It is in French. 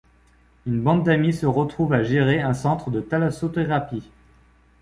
Une bande d'amis se retrouvent à gérer un centre de thalassothérapie.